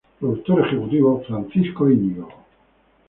Productor Ejecutivo Francisco Iñigo.